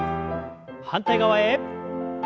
反対側へ。